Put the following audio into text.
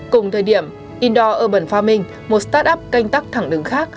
cùng thời điểm indoor urban farming một startup canh tắc thẳng đứng khác